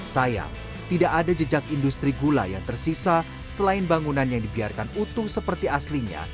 sayang tidak ada jejak industri gula yang tersisa selain bangunan yang dibiarkan utuh seperti aslinya